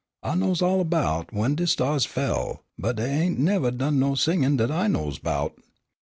I knows all 'bout when de stahs fell, but dey ain' nevah done no singin' dat I knows 'bout."